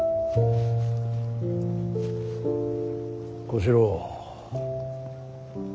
小四郎。